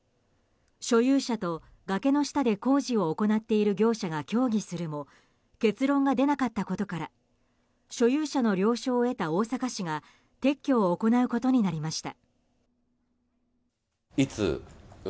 所有者と崖の下で工事を行っている業者が協議するも結論が出なかったことから所有者の了承を得た大阪市が撤去を行うことになりました。